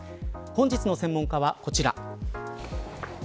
本日の専門家はこちら。